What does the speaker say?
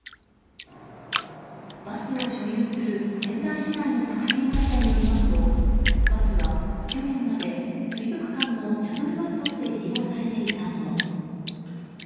バスを所有する仙台市内のタクシー会社によりますとバスは去年まで水族館のシャトルバスとして利用されていたもの。